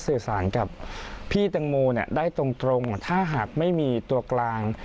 สื่อสารกับพี่แตงโมได้ตรงถ้าหากไม่มีตัวกลาง